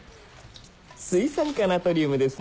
水酸化ナトリウムですね